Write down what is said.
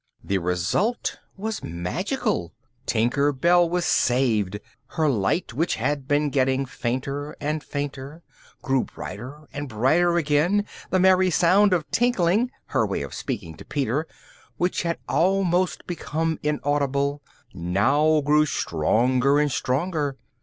The result was magical. Tinker Bell was saved; her light, which had been getting fainter and fainter, grew brighter and brighter again; the merry sound of tinkling (her way of speaking to Peter) which had almost become inaudible, now grew stronger and stronger.